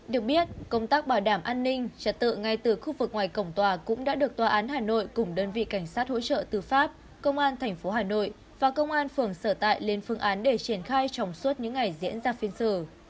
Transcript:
được biết công tác bảo đảm an ninh trật tự ngay từ khu vực ngoài cổng tòa cũng đã được tòa án hà nội cùng đơn vị cảnh sát hỗ trợ tư pháp công an tp hà nội và công an phường sở tại lên phương án để triển khai trong suốt những ngày diễn ra phiên xử